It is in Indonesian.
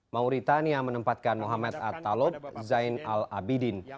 mauritania menempatkan muhammad at talob zain al abidin